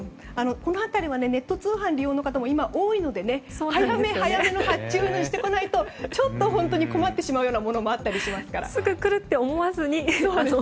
この辺りはネット通販利用の方も今多いので早め早めの発注にしておかないと困ってしまうようなものもあったりしますからね。